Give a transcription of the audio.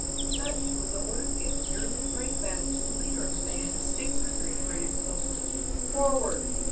Such was the order given during a great battle to the leader of a band of six hundred British soldiers. Forward!